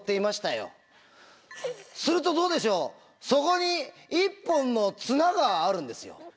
するとどうでしょうそこに１本の綱があるんですよ。